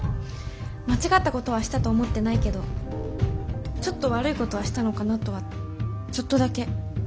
間違ったことはしたと思ってないけどちょっと悪いことはしたのかなとはちょっとだけ思ってます。